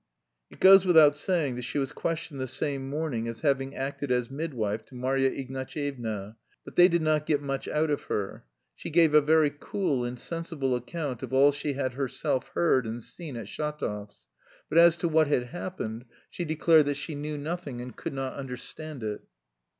It goes without saying that she was questioned the same morning as having acted as midwife to Marya Ignatyevna; but they did not get much out of her. She gave a very cool and sensible account of all she had herself heard and seen at Shatov's, but as to what had happened she declared that she knew nothing, and could not understand it.